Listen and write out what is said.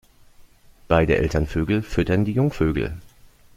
Beide Elternvögel füttern die Jungvögel.